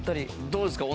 どうですか？